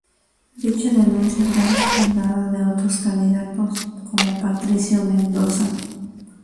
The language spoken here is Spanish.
Dicha denuncia fue respaldada de otros candidatos como Patricio Mendoza.